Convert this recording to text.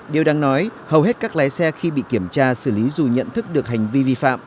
điều đáng nói hầu hết các lái xe khi bị kiểm tra xử lý dù nhận thức được hành vi vi phạm